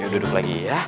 duduk lagi ya